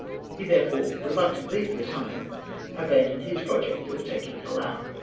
He therefore reluctantly, for the time, abandoned his project for taking Callao.